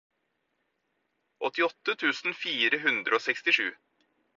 åttiåtte tusen fire hundre og sekstisju